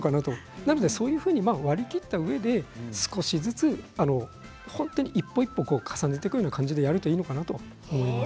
だから、そういうふうに割り切ってうえで少しずつ本当に一歩一歩重ねていく感じでやるといいのかなと思います。